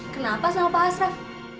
kenapa sama pak hasraf